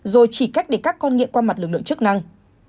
rồi chỉ cách để các con nghiện qua mặt lực lượng chức năng